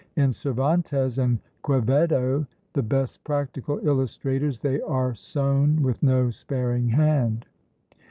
In Cervantes and Quevedo, the best practical illustrators, they are sown with no sparing hand.